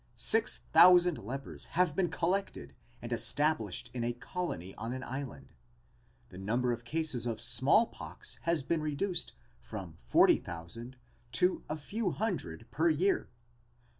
Six thousand lepers have been collected and established in a colony on an island. The number of cases of small pox has been reduced from forty thousand to a few hundred per year.